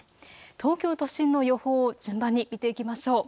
東京都心の予報を順番に見ていきましょう。